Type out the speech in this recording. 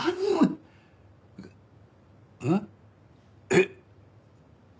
えっ！？